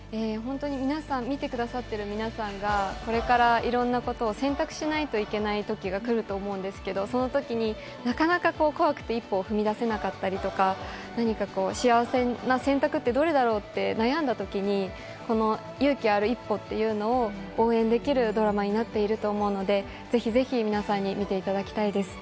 見てくださってくれる皆さんがこれからいろんなことを選択しないといけない時が来ると思うんですけど、その時になかなか怖くて、一歩を踏み出せなかったりとか、何か幸せな選択って、どれだろうと悩んだ時に勇気ある一歩というのを応援できるドラマになってると思うので、ぜひぜひ皆さんに見ていただきたいです。